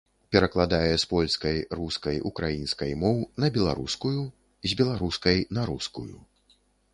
Перакладае з польскай, рускай, украінскай моў на беларускую, з беларускай на рускую.